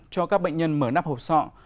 cho các bệnh nhân mở nắp hộp sọ